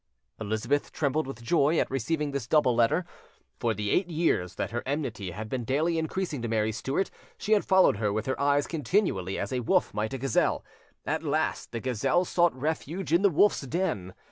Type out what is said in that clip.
Elizabeth trembled with joy at receiving this double letter; for the eight years that her enmity had been daily increasing to Mary Stuart, she had followed her with her eyes continually, as a wolf might a gazelle; at last the gazelle sought refuge in the wolf's den.